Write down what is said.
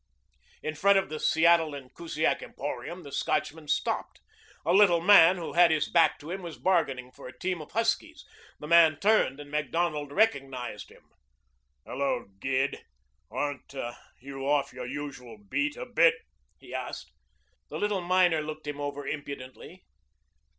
In front of the Seattle & Kusiak Emporium the Scotchman stopped. A little man who had his back to him was bargaining for a team of huskies. The man turned, and Macdonald recognized him. "Hello, Gid. Aren't you off your usual beat a bit?" he asked. The little miner looked him over impudently.